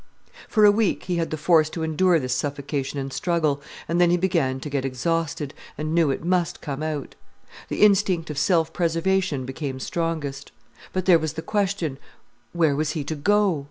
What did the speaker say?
For a week, he had the force to endure this suffocation and struggle, then he began to get exhausted, and knew it must come out. The instinct of self preservation became strongest. But there was the question: Where was he to go?